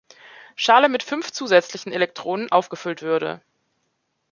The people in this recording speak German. Schale mit fünf zusätzlichen Elektronen aufgefüllt würde.